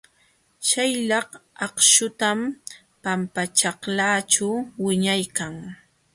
Śhalyaq akśhullam pampaćhaklaaćhu wiñaykan.